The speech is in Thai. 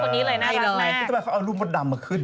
ให้คนนี้เลยน่ารักแน่